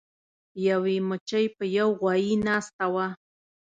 یوې مچۍ په یو غوایي ناسته وه.